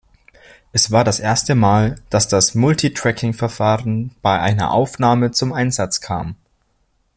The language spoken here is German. Es war das erste Mal, dass das Multi-Tracking-Verfahren bei einer Aufnahme zum Einsatz kam.